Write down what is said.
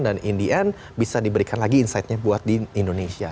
dan in the end bisa diberikan lagi insightnya buat di indonesia